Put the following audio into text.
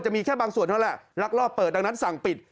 มีแค่บางส่วนเท่านั้นแหละลักลอบเปิดดังนั้นสั่งปิด